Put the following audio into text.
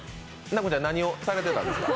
奈子ちゃん、何をされてたんですか？